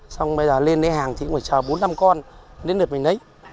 xong bây giờ lên lấy hàng thì cũng phải chờ bốn năm con đến lượt mình lấy